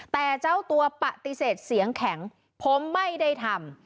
แต่เจ้าตัวปฏิเสธเสียงแข็งผมไม่ได้ทำ